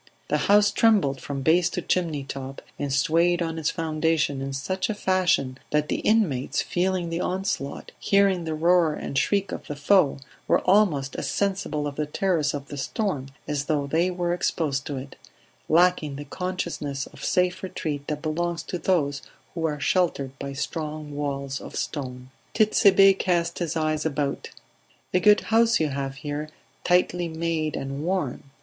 The house trembled from base to chimneytop, and swayed on its foundation in such a fashion that the inmates, feeling the onslaught, hearing the roar and shriek of the foe, were almost as sensible of the terrors of the storm as though they were exposed to it; lacking the consciousness of safe retreat that belongs to those who are sheltered by strong walls of stone. Tit'Sebe cast his eyes about. "A good house you have here; tightly made and warm.